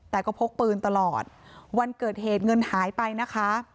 แต่ก็พกปืนตลอดวันเกิดเหตุเงินหายไปนะคะ